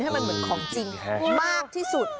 ให้มันเหมือนของจริงมากที่สุด